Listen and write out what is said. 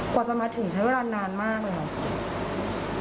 กว่าจะมาถึงใช้เวลานานมากเลยค่ะ